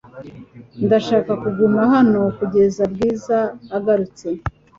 Ndashaka kuguma hano kugeza Bwiza agarutse .